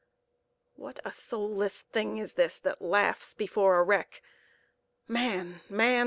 "What soulless thing is this that laughs before a wreck? Man, man!